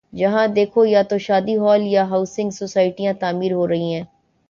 جہاں دیکھو یا تو شادی ہال یا ہاؤسنگ سوسائٹیاں تعمیر ہو رہی ہیں۔